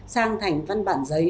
sang thành văn bản giấy